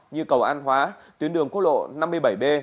như cầu an hóa tuyến đường quốc lộ năm mươi bảy b